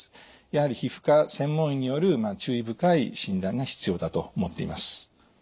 やはり皮膚科専門医による注意深い診断が必要だと思っています。